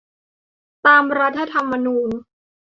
ตามรัฐธรรมนูญ